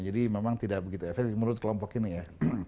jadi memang tidak begitu efektif menurut kelompok ini ya